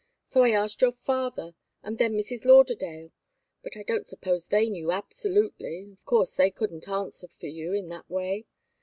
So I asked your father, and then Mrs. Lauderdale but I didn't suppose they knew absolutely of course they couldn't answer for you in that way.